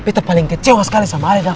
ck bete paling kecewa sekali sama alit davin